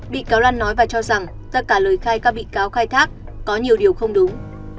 bị cáo lan nói và cho rằng tất cả lời khai các bị cáo khai thác có nhiều điều không đúng